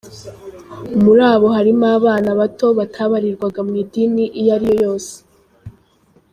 Muri abo harimo abana bato batabarirwaga mu idini iyo ariyo yose.